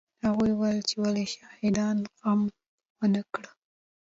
هغوی وویل چې ولې شاهانو غم ونه کړ.